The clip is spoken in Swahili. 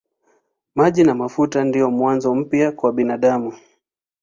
Maji na mafuta ndiyo mwanzo mpya kwa binadamu.